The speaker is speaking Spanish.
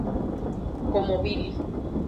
Como Billy.